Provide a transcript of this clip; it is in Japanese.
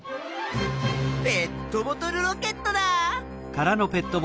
ペットボトルロケットだ！